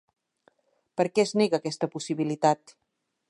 Per què es nega aquesta possibilitat?